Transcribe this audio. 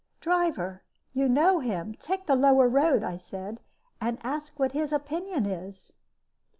"Driver, you know him. Take the lower road," I said, "and ask what his opinion is."